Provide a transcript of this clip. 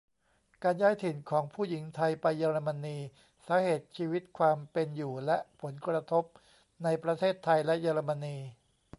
การย้ายถิ่นของผู้หญิงไทยไปเยอรมนี : สาเหตุ ชีวิตความเป็นอยู่ และผลกระทบในประเทศไทยและเยอรมนี.